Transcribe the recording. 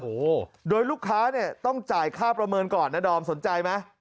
โอ้โหโดยลูกค้าเนี่ยต้องจ่ายค่าประเมินก่อนนะดอมสนใจไหม